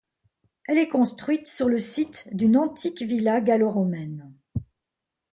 Elle est construite sur le site d'une antique villa gallo-romaine.